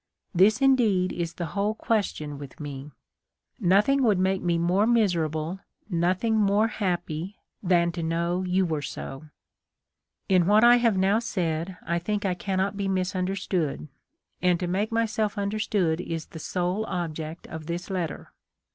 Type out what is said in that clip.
This, indeed, is the whole question with me. Noth ing would make me more miserable, nothing more happy, than to know you were so. " In what I have now said, I think I cannot be misunderstood ; and to make myself understood is the sole object of this letter.